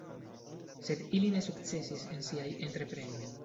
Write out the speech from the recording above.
Sed ili ne sukcesis en siaj entreprenoj.